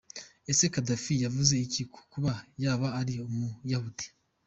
Ese Gaddafi yavuze iki ku kuba yaba ari umuyahudi ?.